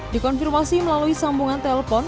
dikonfirmasi melalui sambungan telepon